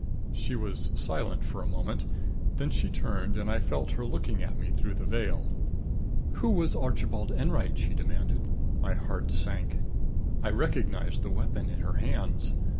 She was silent for a moment. Then she turned and I felt her looking at me through the veil. "Who was Archibald Enwright?" she demanded. My heart sank. I recognized the weapon in her hands.